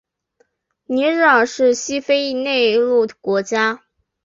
尼日尔是西非一内陆国家。